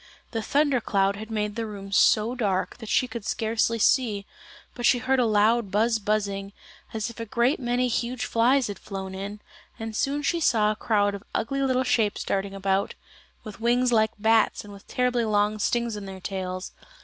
The thunder cloud had made the room so dark that she could scarcely see, but she heard a loud buzz buzzing, as if a great many huge flies had flown in, and soon she saw a crowd of ugly little shapes darting about, with wings like bats and with terribly long stings in their tails.